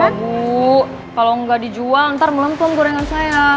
ya bu kalau nggak dijual ntar melemplung gorengan saya